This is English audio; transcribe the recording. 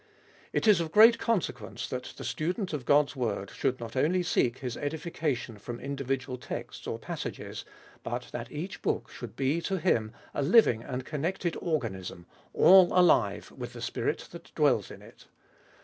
It is of great consequence that the student of God's word should not only seek his edifica tion from individual texts or passages, but that each book should be to him a living and connected organism, all alive with the Spirit that dwells in it.